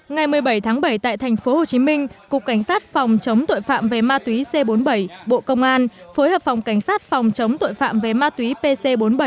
ngày một mươi bảy tháng bảy tại thành phố hồ chí minh cục cảnh sát phòng chống tội phạm về ma túy c bốn mươi bảy bộ công an phối hợp phòng cảnh sát phòng chống tội phạm về ma túy pc bốn mươi bảy